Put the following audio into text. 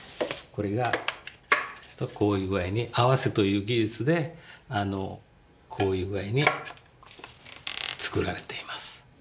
これがこういう具合に合わせという技術でこういう具合に作られています。